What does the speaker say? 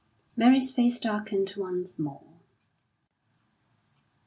Mary's face darkened once more.